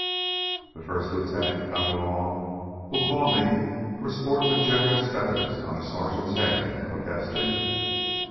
"The first lieutenant comin' along will call me for sportin' a general's feathers on a sergeant's head," he protested.